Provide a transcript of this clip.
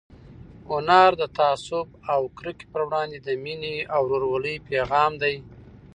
هنر د تعصب او کرکې پر وړاندې د مینې او ورورولۍ پيغام دی.